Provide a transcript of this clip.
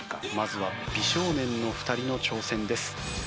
まずは美少年の２人の挑戦です。